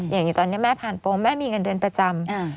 อย่างนี้ตอนนี้แม่ผ่านโปรงแม่มีเงินเดือนประจำ